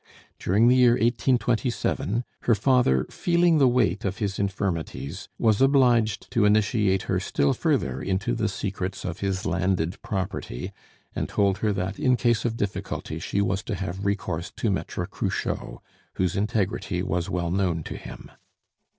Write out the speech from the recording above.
During the year 1827 her father, feeling the weight of his infirmities, was obliged to initiate her still further into the secrets of his landed property, and told her that in case of difficulty she was to have recourse to Maitre Cruchot, whose integrity was well known to him.